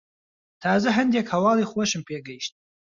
تازە هەندێک هەواڵی خۆشم پێ گەیشت.